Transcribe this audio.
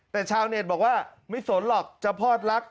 แต่ชาวเน็ตบอกว่าไม่สนหรอกเจ้าพ่อรัก